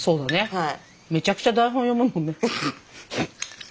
はい。